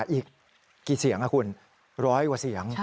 อีกกี่เสียงคุณร้อยกว่าเสียง